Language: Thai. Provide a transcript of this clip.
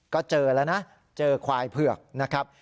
ก็เจอแล้วนะเจอควายเผือกนะครับ